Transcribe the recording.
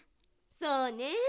そうね。